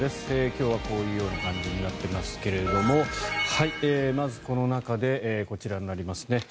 今日はこういうような感じになっていますけれどまず、この中でこちらになりますね。